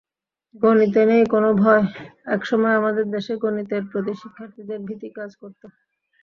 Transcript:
গণিতে নেই কোনো ভয়একসময় আমাদের দেশে গণিতের প্রতি শিক্ষার্থীদের ভীতি কাজ করত।